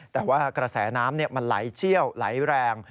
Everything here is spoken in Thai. แต่ว่ากระแสน้ำมันไหลเชี่ยวไหลแรง